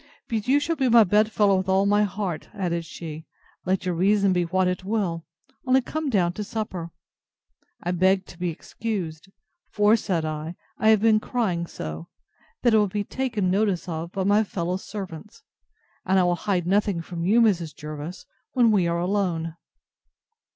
But you shall be my bed fellow with all my heart, added she, let your reason be what it will; only come down to supper. I begged to be excused; for, said I, I have been crying so, that it will be taken notice of by my fellow servants; and I will hide nothing from you, Mrs. Jervis, when we are alone.